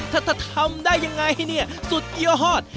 ทำได้อย่างไรเนี่ยสุดเยี่ยวฮอต